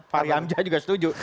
fahri hamzah juga setuju